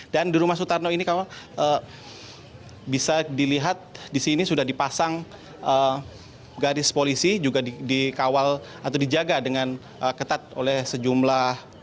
dan di rumah sutarno ini bisa dilihat di sini sudah dipasang garis polisi juga dikawal atau dijaga dengan ketat oleh sejumlah pasukan